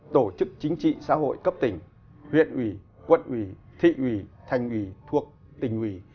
tổ chức chính trị xã hội cấp tỉnh huyện ủy quận ủy thị ủy thành ủy thuộc tỉnh ủy